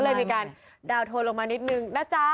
เลยมีการดาวนโทนลงมานิดนึงนะจ๊ะ